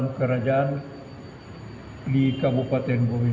melambangkan empat buah tiang yang berdiri